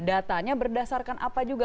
datanya berdasarkan apa juga